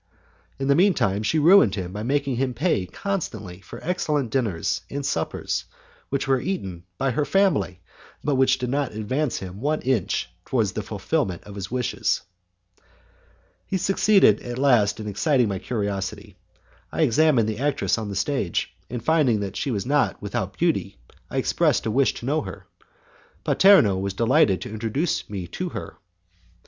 In the mean time, she ruined him by making him pay constantly for excellent dinners and suppers, which were eaten by her family, but which did not advance him one inch towards the fulfilment of his wishes. He succeeded at last in exciting my curiosity. I examined the actress on the stage, and finding that she was not without beauty I expressed a wish to know her. Paterno was delighted to introduce me to her.